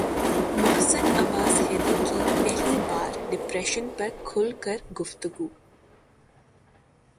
محسن عباس حیدر کی پہلی بار ڈپریشن پر کھل کر گفتگو